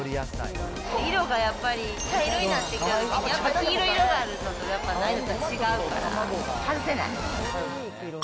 色がやっぱり茶色になってきたときに、やっぱ黄色い色があるのとやっぱないのと違うから、外せない。